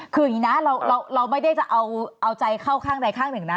คืออย่างนี้นะเราไม่ได้จะเอาใจเข้าข้างใดข้างหนึ่งนะ